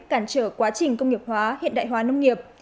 cản trở quá trình công nghiệp hóa hiện đại hóa nông nghiệp